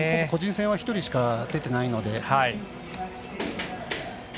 個人戦は１人しか出てないので。